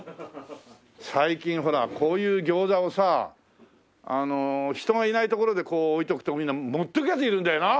最近ほらこういう餃子をさ人がいない所で置いておくとみんな持っていくヤツいるんだよな。